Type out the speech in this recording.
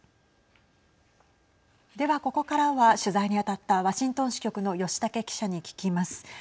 ではここからは取材に当たったワシントン支局の吉武記者に聞きます。